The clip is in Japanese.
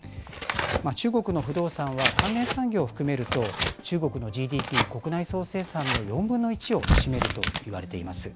中国の不動産は、関連産業を含めると、中国のＧＤＰ・国内総生産の４分の１を占めるといわれています。